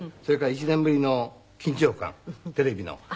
それから１年ぶりの緊張感テレビの。